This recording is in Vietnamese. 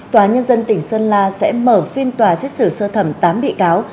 tòa nhân dân tỉnh sơn la sẽ mở phiên tòa xét xử sơ thẩm tám bị cáo